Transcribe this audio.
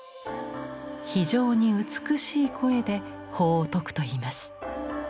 非常に美しい声で法を説くといいます。